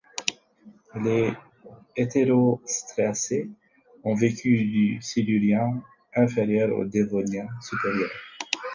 Les hétérostracés ont vécu du Silurien inférieur au Dévonien supérieur.